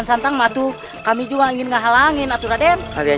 sampai jumpa di video selanjutnya